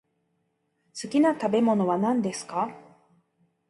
好きな食べ物は何ですか？